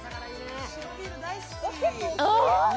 あ！